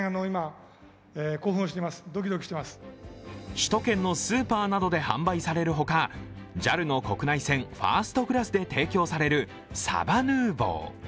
首都圏のスーパーなどで販売される他、ＪＡＬの国内線ファーストクラスで提供されるサバヌーヴォー。